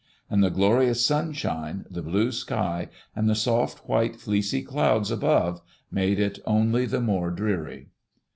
And the glorious sunshine, the blue sky, and the soft white fleecy clouds above made it only the more dreary.